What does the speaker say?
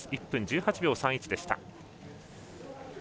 １分１８秒３１でした。